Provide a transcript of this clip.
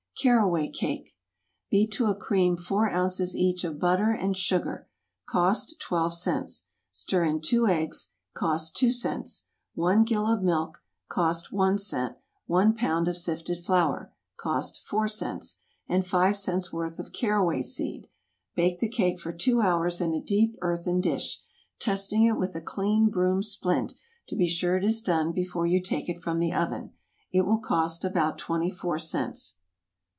=Caraway Cake.= Beat to a cream four ounces each of butter and sugar, (cost twelve cents,) stir in two eggs, (cost two cents,) one gill of milk, (cost one cent,) one pound of sifted flour, (cost four cents,) and five cents' worth of caraway seed; bake the cake for two hours in a deep earthen dish, testing it with a clean broom splint to be sure it is done before you take it from the oven. It will cost about twenty four cents.